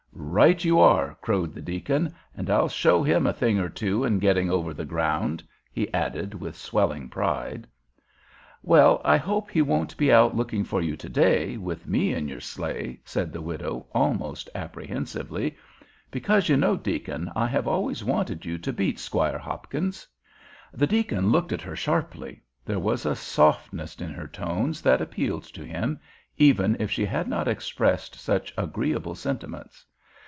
"Right you are," crowed the deacon, "and I'll show him a thing or two in getting over the ground," he added with swelling pride. "Well, I hope he won't be out looking for you to day, with me in your sleigh," said the widow, almost apprehensively, "because, you know, deacon, I have always wanted you to beat Squire Hopkins." The deacon looked at her sharply. There was a softness in her tones that appealed to him, even if she had not expressed such agreeable sentiments.